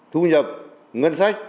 thu nhập ngân sách